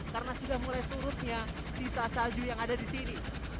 karena sudah mulai turutnya sisa salju yang ada di sini